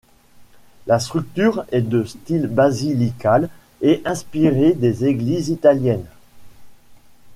La structure est de style basilical et inspirée des églises italiennes.